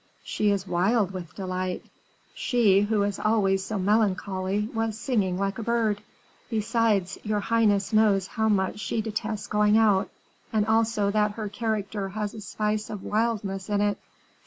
"She is wild with delight; she, who is always so melancholy, was singing like a bird. Besides, your highness knows how much she detests going out, and also that her character has a spice of wildness in it."